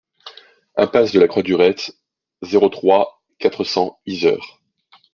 Impasse de la Croix du Retz, zéro trois, quatre cents Yzeure